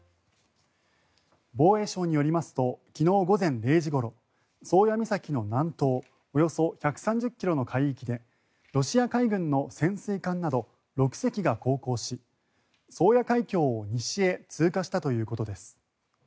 防衛省によりますと昨日午前０時ごろ宗谷岬の南東およそ１３０ｋｍの海域でロシア海軍の潜水艦など６隻が航行し宗谷海峡を西へ通過したということです。